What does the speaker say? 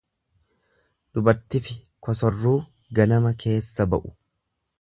Dubartifi kosorruu ganama keessa ba'u.